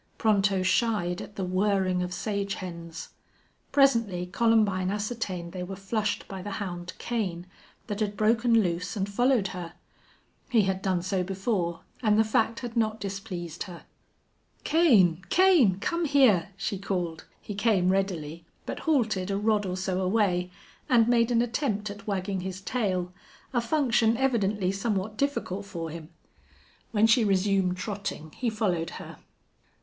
Pronto shied at the whirring of sage hens. Presently Columbine ascertained they were flushed by the hound Kane, that had broken loose and followed her. He had done so before, and the fact had not displeased her. "Kane! Kane! come here!" she called. He came readily, but halted a rod or so away, and made an attempt at wagging his tail, a function evidently somewhat difficult for him. When she resumed trotting he followed her.